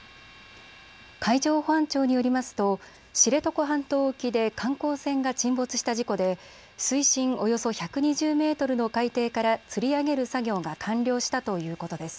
海上保安庁によりますと知床半島沖で観光船が沈没した事故で水深およそ１２０メートルの海底からつり上げる作業が完了したということです。